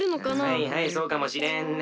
はいはいそうかもしれんね。